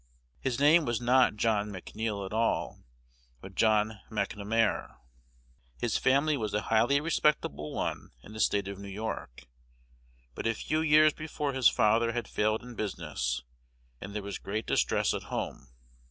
His name was not John McNeil at all, but John McNamar. His family was a highly respectable one in the State of New York; but a few years before his father had failed in business, and there was great distress at home.